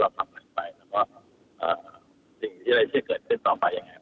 แล้วว่าสิ่งที่เลยที่เกิดขึ้นต่อไปยังไง